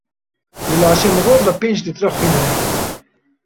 Di laşê mirov de pênc lître xwîn heye.